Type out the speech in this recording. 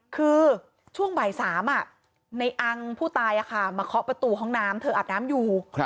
คือช่วงบ่าย๓ในอังผู้ตายมาเคาะประตูห้องน้ำเธออาบน้ำอยู่